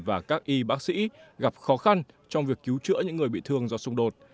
và các y bác sĩ gặp khó khăn trong việc cứu chữa những người bị thương do xung đột